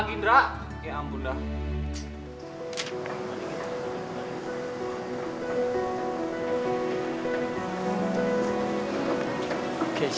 katanya gak suka sama lila